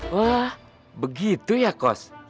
wah begitu ya kos